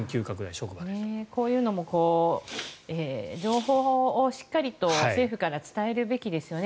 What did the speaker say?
こういのも情報をしっかりと政府から伝えるべきですよね。